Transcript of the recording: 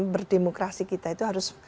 berdemokrasi kita itu harus